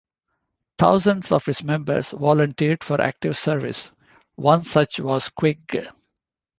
Thousands of its members volunteered for active service; one such was Quigg.